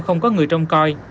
không có người trong coi